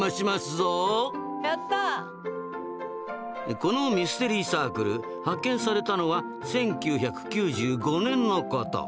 このミステリーサークル発見されたのは１９９５年のこと。